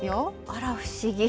あら不思議。